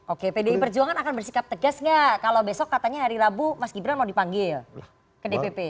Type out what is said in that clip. oke pdi perjuangan akan bersikap tegas nggak kalau besok katanya hari rabu mas gibran mau dipanggil ke dpp